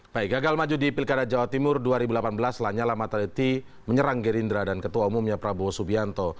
baik gagal maju di pilkada jawa timur dua ribu delapan belas lanyala mataliti menyerang gerindra dan ketua umumnya prabowo subianto